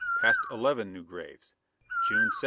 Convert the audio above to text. Passed eleven new graves. June 17.